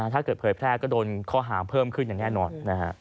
ถ้าเกิดเผยแพร่ก็โดนคอหาเพิ่มขึ้นอย่างแน่นอน